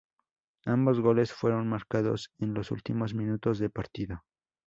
Ambos goles fueron marcados en los últimos minutos de partido.